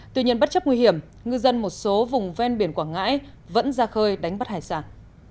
tuy nhiên bất chấp nguy hiểm ngư dân một số vùng ven biển quảng ngãi vẫn ra khơi đánh bắt hải sản